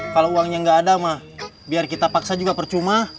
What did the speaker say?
kalau uangnya nggak ada mah biar kita paksa juga percuma